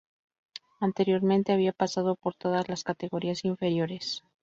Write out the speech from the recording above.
Anteriormente había pasado por todas las categorías inferiores.